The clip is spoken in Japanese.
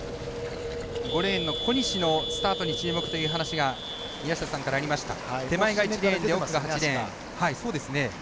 ５レーンの小西のスタートに注目というお話が宮下さんからありました。